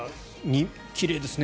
奇麗ですね。